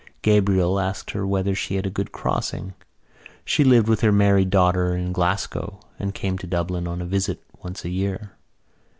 Gabriel asked her whether she had had a good crossing. She lived with her married daughter in Glasgow and came to Dublin on a visit once a year.